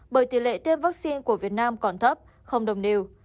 bởi tỷ lệ tiêm vaccine của việt nam còn thấp không đồng đều